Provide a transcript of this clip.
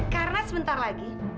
karena sebentar lagi